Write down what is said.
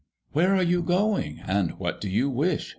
"Where are you going, and what do you wish?"